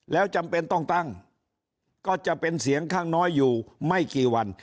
แล้วจำเป็นต้องตั้งก็จะเป็นเสียงข้างน้อยอยู่ไม่กี่วัน